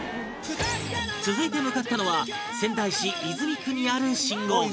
続いて向かったのは仙台市泉区にある信号機